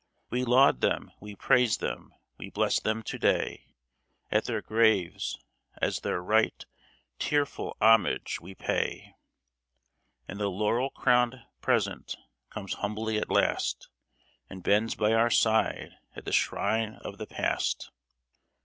We laud them, we praise them, we bless them to day ; At their graves, as their right, tearful homage we pay ! And the laurel crowned Present comes humbly at last. And bends by our side at the shrine of the Past.